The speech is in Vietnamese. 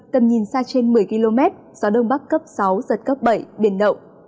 tầm nhìn xa trên một mươi km gió đông bắc cấp sáu giật cấp bảy biển động